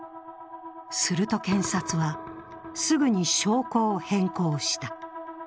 すると、検察はすぐに証拠を変更した。